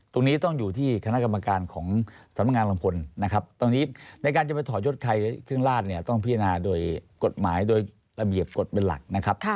ตรงนี้ต้องอยู่ที่คณะกรรมการของสำนักงานลำพลนะครับตอนนี้ในการจะไปถอดยดใครเครื่องราชเนี่ยต้องพิจารณาโดยกฎหมายโดยระเบียบกฎเป็นหลักนะครับ